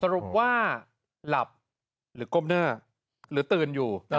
สรุปว่าหลับหรือก้มหน้าหรือตื่นอยู่